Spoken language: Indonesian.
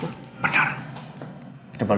udah mau inget inget lagi